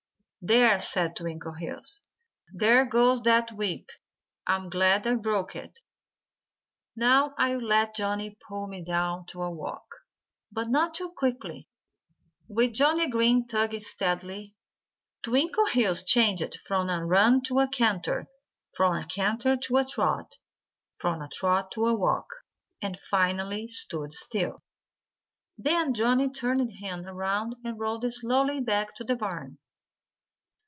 "There!" said Twinkleheels. "There goes that whip. I'm glad I broke it. Now I'll let Johnnie pull me down to a walk but not too quickly." With Johnnie Green tugging steadily, Twinkleheels changed from a run to a canter, from a canter to a trot, from a trot to a walk; and finally stood still. Then Johnnie turned him around and rode slowly back to the barn.